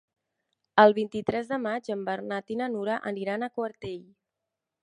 El vint-i-tres de maig en Bernat i na Nura aniran a Quartell.